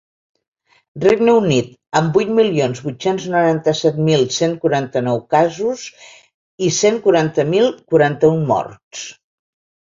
Regne Unit, amb vuit milions vuit-cents noranta-set mil cent quaranta-nou casos i cent quaranta mil quaranta-un morts.